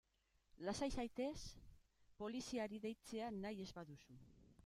Lasai zaitez poliziari deitzea nahi ez baduzu.